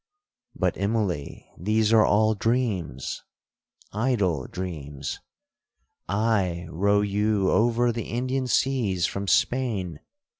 '—'But, Immalee, these are all dreams—idle dreams. I row you over the Indian seas from Spain!